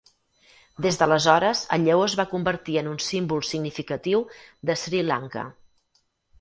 Des d'aleshores el lleó es va convertir en un símbol significatiu de Sri Lanka.